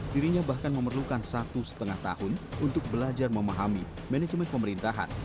dirinya bahkan memerlukan satu setengah tahun untuk belajar memahami manajemen pemerintahan